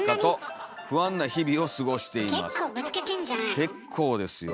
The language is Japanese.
結構ですよ。